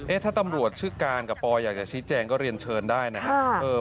ถ้าตำรวจชื่อการกับปออยากจะชี้แจงก็เรียนเชิญได้นะครับ